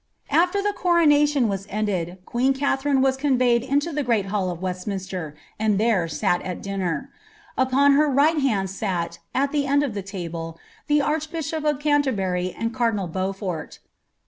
Afler the coronation was ended, queen Katherine was conveyed into the great hall of Westminster, and there eat at dinner. Upon her right hand sat, at the end of the table, the arch* bishop of Canterbury and cardinal Beaufort.